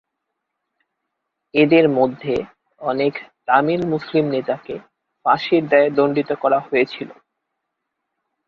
এদের মধ্যে অনেক তামিল মুসলিম নেতাকে ফাঁসির দায়ে দণ্ডিত করা হয়েছিল।